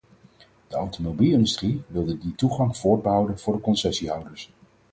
De automobielindustrie wilde die toegang voorbehouden voor de concessiehouders.